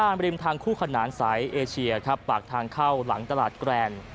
ริมทางคู่ขนานสายเอเชียครับปากทางเข้าหลังตลาดแกรน